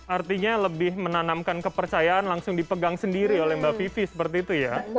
artinya lebih menanamkan kepercayaan langsung dipegang sendiri oleh mbak vivi seperti itu ya